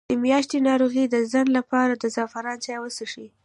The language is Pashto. د میاشتنۍ ناروغۍ د ځنډ لپاره د زعفران چای وڅښئ